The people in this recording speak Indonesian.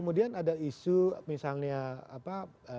kemudian ada isu misalnya apa